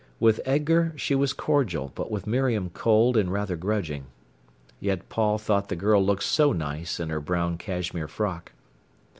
With Edgar she was cordial, but with Miriam cold and rather grudging. Yet Paul thought the girl looked so nice in her brown cashmere frock.